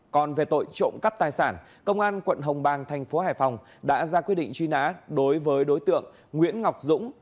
còn về tội trộm cắt tài sản công an tp hải phòng đã ra quyết định truy nã đối với đối tượng nguyễn ngọc dũng